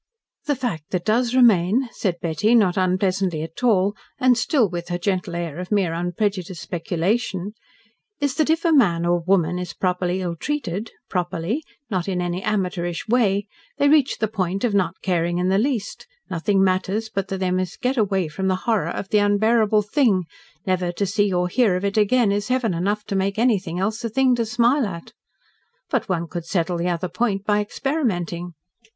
"The fact that does remain," said Betty, not unpleasantly at all, and still with her gentle air of mere unprejudiced speculation, "is that, if a man or woman is properly ill treated PROPERLY not in any amateurish way they reach the point of not caring in the least nothing matters, but that they must get away from the horror of the unbearable thing never to see or hear of it again is heaven enough to make anything else a thing to smile at. But one could settle the other point by experimenting.